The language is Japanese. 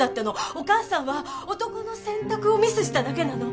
お母さんは男の選択をミスしただけなの。